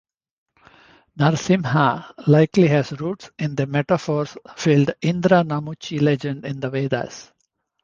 Narasimha likely has roots in the metaphors filled Indra-Namuci legend in the Vedas.